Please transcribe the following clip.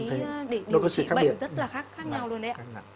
để điều trị bệnh rất là khác nhau luôn đấy ạ